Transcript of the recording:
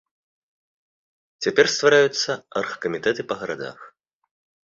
Цяпер ствараюцца аргкамітэты па гарадах.